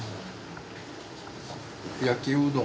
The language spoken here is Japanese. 焼きうどん。